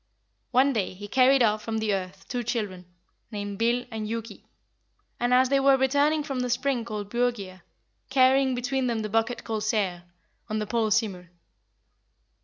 One day he carried off from the earth two children, named Bil and Hjuki, as they were returning from the spring called Byrgir, carrying between them the bucket called Saegr, on the pole Simul.